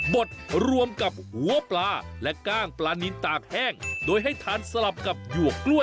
บดรวมกับหัวปลาและกล้างปลานินตากแห้งโดยให้ทานสลับกับหยวกกล้วย